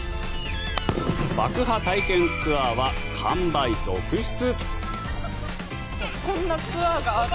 爆破体験ツアーは、完売続出。